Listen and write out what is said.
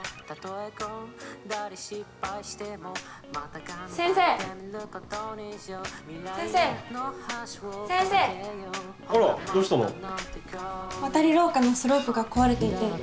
わたりろうかのスロープが壊れていて。